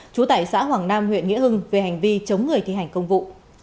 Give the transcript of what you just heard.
chú tải xã hoàng nam huyện nghĩa hưng về hành vi chống người thi hành công vụ